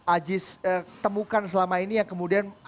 ajis temukan selama ini yang kemudian